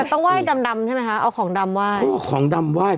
แต่ต้องไหว้ดำดำใช่ไหมคะเอาของดำไหว้เออของดำไหว้